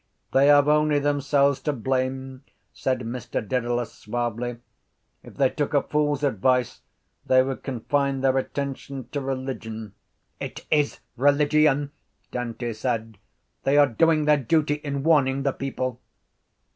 —They have only themselves to blame, said Mr Dedalus suavely. If they took a fool’s advice they would confine their attention to religion. —It is religion, Dante said. They are doing their duty in warning the people.